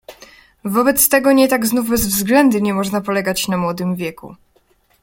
"Wobec tego nie tak znów bezwzględnie można polegać na młodym wieku."